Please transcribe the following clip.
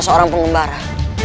aku seorang pengembara